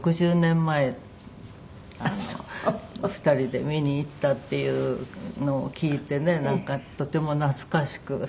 ２人で見に行ったっていうのを聞いてねなんかとても懐かしく